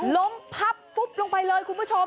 ลมพับลงไปเลยคุณผู้ชม